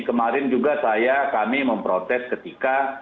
kemarin juga saya kami memprotes ketika